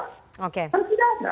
kan tidak ada